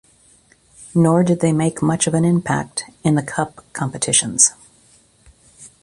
Nor did they make much of an impact in the cup competitions.